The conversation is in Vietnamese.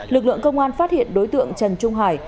lực lượng công an phát hiện đối tượng trần trung hải